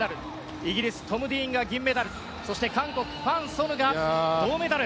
イギリストム・ディーンが銀メダル韓国ファン・ソヌが銅メダル。